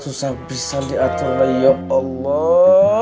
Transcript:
susah bisa diaturin ya allah